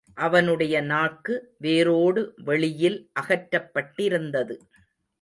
அவனுடைய நாக்கு வேரோடு வெளியில் அகற்றப்பட்டிருந்தது.